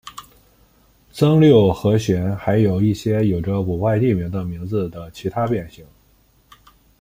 增六和弦还有一些有着古怪地名的名字的其他变形。